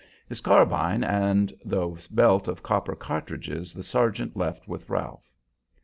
His carbine and the belt of copper cartridges the sergeant left with Ralph.